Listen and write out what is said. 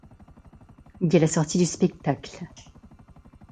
Il y a la sortie du spectacle…